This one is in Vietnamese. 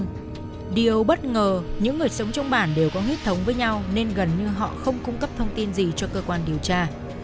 nhưng điều bất ngờ những người sống trong bản đều có huyết thống với nhau nên gần như họ không cung cấp thông tin gì cho cơ quan điều tra